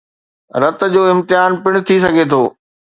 رت جو امتحان پڻ ٿي سگھي ٿو